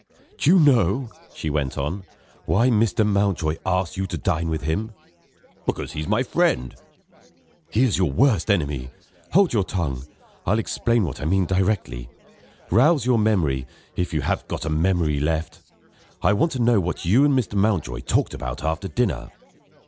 "Do you know," she went on, "why Mr. Mountjoy asked you to dine with him?" "Because he's my friend." "He is your worst enemy. Hold your tongue! I'll explain what I mean directly. Rouse your memory, if you have got a memory left. I want to know what you and Mr. Mountjoy talked about after dinner."